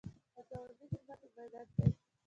د ګاونډي خدمت عبادت دی